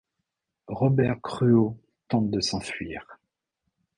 Robert Cruau tente de s'enfuir.